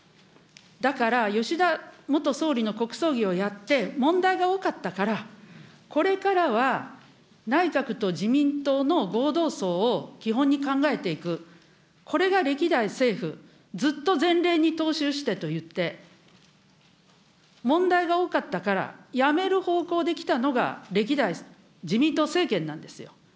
だから吉田元総理の国葬儀をやって、問題が多かったから、これからは、内閣と自民党の合同葬を基本に考えていく、これが歴代政府、ずっと前例に踏襲してといって、問題が多かったから、やめる方向できたのが歴代自民党政権なんですよ。